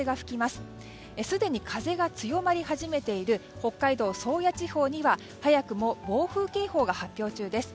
すでに風が強まり始めている北海道宗谷地方には早くも暴風警報が発表中です。